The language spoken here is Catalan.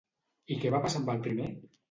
I què va passar amb el primer?